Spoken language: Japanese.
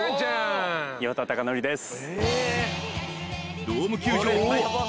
岩田剛典です。